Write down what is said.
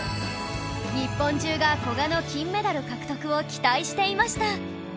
日本中が古賀の金メダル獲得を期待していました